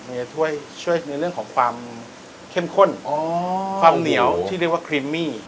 จะช่วยในเรื่องของความเข้มข้นความเหนียวที่เรียกว่าครีมมี่